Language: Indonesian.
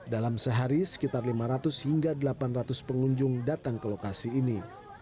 dalam sehari sekitar lima ratus hingga delapan ratus pengunjung datang ke lokasi ini